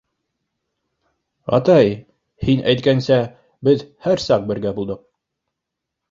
— Атай, һин әйткәнсә, беҙ һәр саҡ бергә булдыҡ.